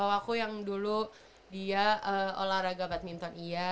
aku yang dulu dia olahraga badminton iya